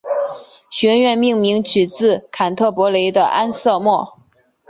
学院命名取自坎特伯雷的安瑟莫。